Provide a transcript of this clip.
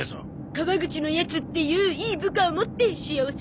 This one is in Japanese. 川口のやつっていういい部下を持って幸せですな。